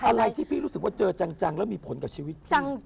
อะไรที่พี่รู้สึกว่าเจอจังแล้วมีผลกับชีวิต